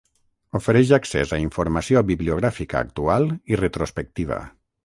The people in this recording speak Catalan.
Ofereix accés a informació bibliogràfica actual i retrospectiva.